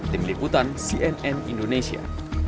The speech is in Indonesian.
demi liputan cnn indonesia